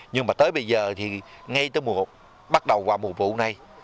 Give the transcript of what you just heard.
nhưng mà tới bây giờ thì ngay tới mùa bắt đầu qua mùa vụ này